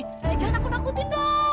jangan aku takutin dong